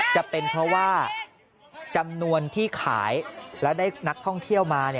จะเป็นเพราะว่าจำนวนที่ขายและได้นักท่องเที่ยวมา